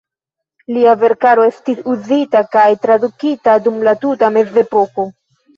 Lia verkaro estis uzita kaj tradukita dum la tuta Mezepoko.